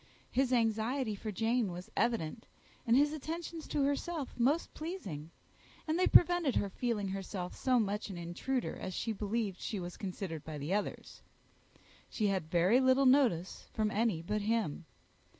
His anxiety for Jane was evident, and his attentions to herself most pleasing; and they prevented her feeling herself so much an intruder as she believed she was considered by the others. She had very little notice from any but him.